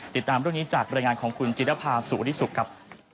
ติดตามตรงนี้จากบริงารของคุณจิตภาสุฤษฐศุกร์ครับ